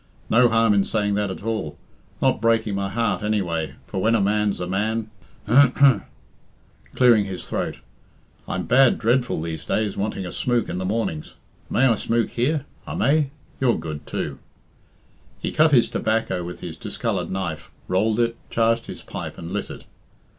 No harm in saying that at all. Not breaking my heart, anyway, for when a man's a man H'm!" clearing his throat, "I'm bad dreadful these days wanting a smook in the mornings. May I smook here? I may? You're good, too." He cut his tobacco with his discoloured knife, rolled it, charged his pipe, and lit it.